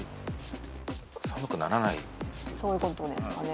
そういうことですかね。